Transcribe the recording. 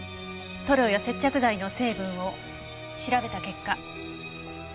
塗料や接着剤の成分を調べた結果。